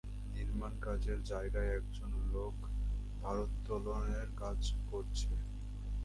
নির্মাণ কাজের জায়গায় একজন লোক ভারোত্তোলনের কাজ করছে।